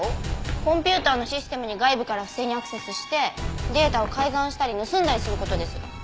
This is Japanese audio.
コンピューターのシステムに外部から不正にアクセスしてデータを改ざんしたり盗んだりする事です。